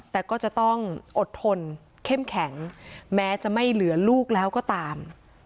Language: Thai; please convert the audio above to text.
แต่ก็จะต้องอดทนเข้มแข็งแม้จะไม่เหลือลูกแล้วก็ตาม